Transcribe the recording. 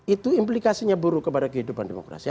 itu implikasinya buruk kepada kehidupan demokrasi